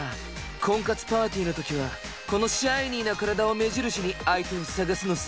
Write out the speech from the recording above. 婚活パーティーの時はこのシャイニーな体を目印に相手を探すのさ。